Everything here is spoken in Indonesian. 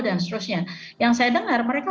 dan seterusnya yang saya dengar mereka